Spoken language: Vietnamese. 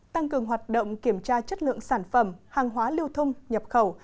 tăng cường hoạt động kiểm tra chất lượng sản phẩm hàng hóa lưu thông nhập khẩu